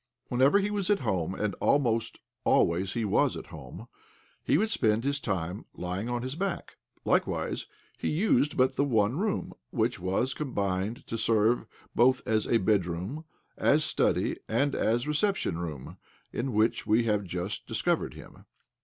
Whenever he was at home — and almost always he was at home — he would spend his time in lying on his back. Likewise he used but the one room — which was combined to serve both as bedroom, as study, and as reception room — in which we have just dis covered him.